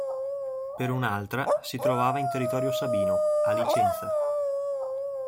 Per un'altra si trovava in territorio Sabino, a Licenza.